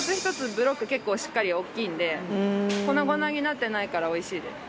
ブロック結構しっかり大きいんで粉々になってないからおいしいです。